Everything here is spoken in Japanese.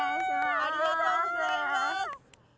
ありがとうございます！